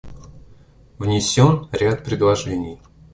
Внесен ряд предложений.